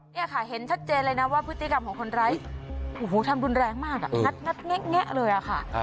นี่ค่ะเห็นชัดเจนเลยนะว่าพฤติกรรมของคนร้ายทำรุนแรงมากงัดแงะเลยค่ะ